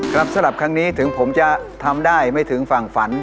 สำหรับครั้งนี้ถึงผมจะทำได้ไม่ถึงฝั่งฝัน